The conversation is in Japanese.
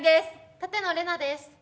舘野伶奈です。